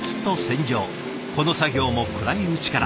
この作業も暗いうちから。